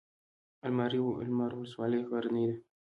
المار ولسوالۍ غرنۍ ده؟